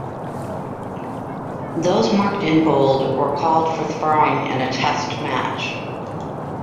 Those marked in bold were called for throwing in a Test match.